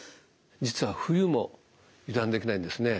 実は冬も油断できないんですね。